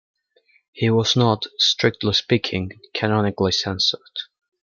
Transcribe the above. He was not, strictly speaking, canonically censored.